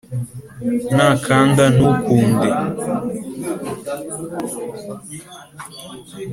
nakanda ntukunde